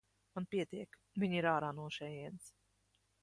Man pietiek, viņa ir ārā no šejienes.